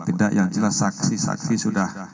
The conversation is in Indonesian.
tidak yang jelas saksi saksi sudah